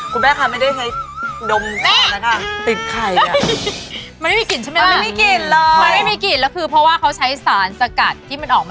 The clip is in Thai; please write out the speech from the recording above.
คุณแม่คะไม่ได้ให้ดมขาวนะคะ